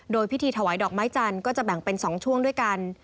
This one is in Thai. โดยพิธีถวายดอกไม้จันทร์ก็จะแบ่งเป็น๒ช่วงด้วยกัน